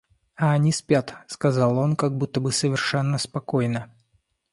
— А они спят, — сказал он как будто бы совершенно спокойно.